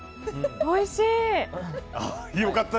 おいしい！